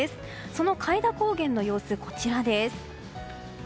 その開田高原の様子、こちらです。